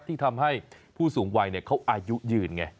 ที่ทำให้ผู้สูงวัยเขาอายุยืนไง